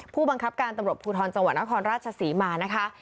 ผู้บังคับการตำรวจภูทรจังหวัดนครราชศรีมานะคะ